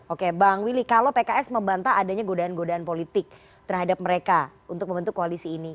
oke bang willy kalau pks membanta adanya godaan godaan politik terhadap mereka untuk membentuk koalisi ini